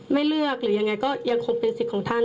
ไม่เลือกหรือยังไงก็ยังคงเป็นสิทธิ์ของท่าน